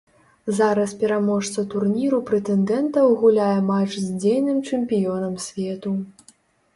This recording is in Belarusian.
Зараз пераможца турніру прэтэндэнтаў гуляе матч з дзейным чэмпіёнам свету.